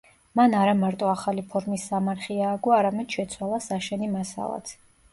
მან არა მარტო ახალი ფორმის სამარხი ააგო, არამედ შეცვალა საშენი მასალაც.